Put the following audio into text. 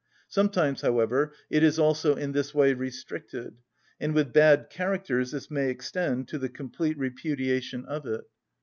Sometimes, however, it is also in this way restricted, and with bad characters this may extend to the complete repudiation of it.